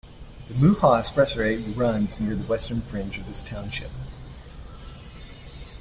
The Maju Expressway runs near the western fringe of this township.